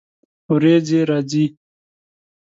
ورېځې راځي